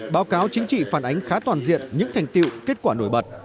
báo cáo chính trị phản ánh khá toàn diện những thành tiệu kết quả nổi bật